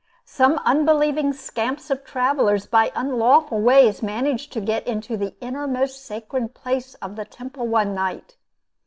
Some unbelieving scamps of travelers, by unlawful ways, managed to get into the innermost sacred place of the temple one night.